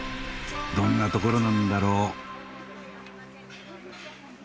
どんなところなんだろう？